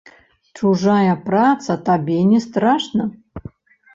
Чужая праца табе не страшна?